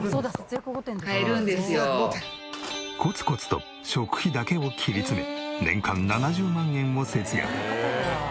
コツコツと食費だけを切り詰め年間７０万円を節約。